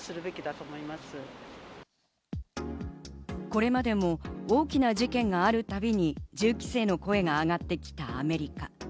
これまでも大きな事件があるたびに銃規制の声が上がってきたアメリカ。